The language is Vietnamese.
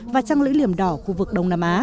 và trăng lưỡi liềm đỏ khu vực đông nam á